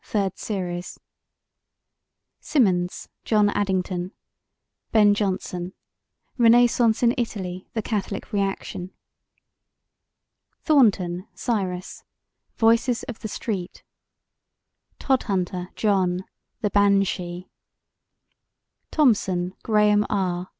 Third Series SYMONDS, JOHN ADDINGTON: Ben Jonson Renaissance in Italy: The Catholic Reaction THORNTON, CYRUS: Voices of the Street TODHUNTER, JOHN: The Banshee TOMSON, GRAHAM R.